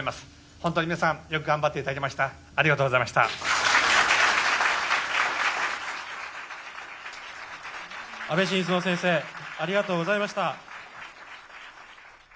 本当に皆さん、よく頑張っていただきました、ありがとうございました。